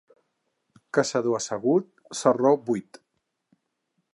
Caçador assegut, sarró buit.